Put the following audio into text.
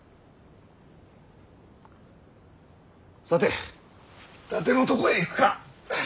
さて伊達のとこへ行くか。